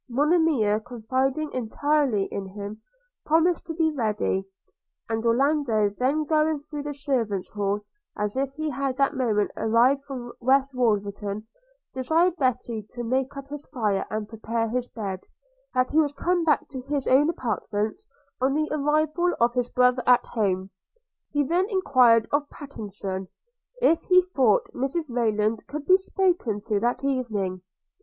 Monimia, confiding entirely in him, promised to be ready; and Orlando, then going through the servants' hall as if he had that moment arrived from West Wolverton, desired Betty to make up his fire and prepare his bed, saying, that he was come back to his own apartments, on the arrival of his brother at home. He then enquired of Pattenson, if he thought Mrs Rayland could be spoken to that evening?